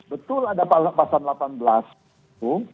betul ada pasal delapan belas itu